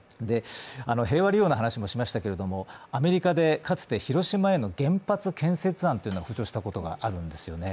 平和利用の話もしましたけど、アメリカで、かつて広島に原発建設案というのが浮上したことがあるんですよね。